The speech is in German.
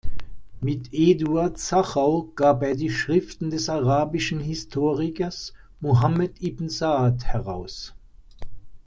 Mit Eduard Sachau gab er die Schriften des arabischen Historikers Muhammad ibn Saʿd heraus.